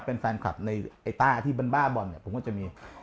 เป็นแฟนคลับในต้าที่บรรบ้าบอลผมก็จะมี